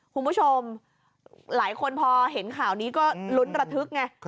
คุณผู้ชมหลายคนพอเห็นข่าวนี้ก็ลุ้นระทึกไง